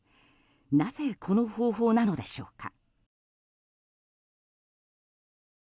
なぜこの方法なのでしょうか。